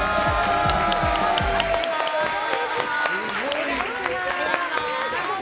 お願いします。